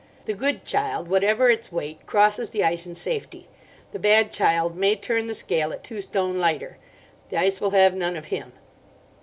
The good child, whatever its weight, crosses the ice in safety. The bad child may turn the scale at two stone lighter; the ice will have none of him.